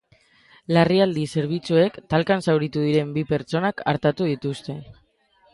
Larrialdi zerbitzuek talkan zauritu diren bi pertsonak artatu dituzte.